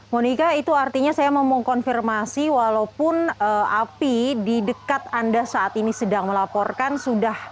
monika itu artinya saya mau mengkonfirmasi walaupun api di dekat anda saat ini sedang melaporkan sudah